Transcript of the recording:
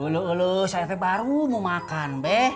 ulu ulu saya baru mau makan be